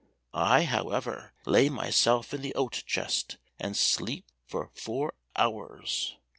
I, however, lay myself in the oat chest and sleep for four hours.